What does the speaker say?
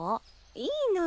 いいの。